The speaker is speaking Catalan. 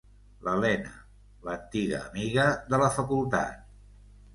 L'Elena, l'antiga amiga de la Facultat...